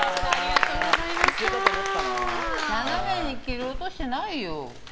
斜めに切り落としてないよ。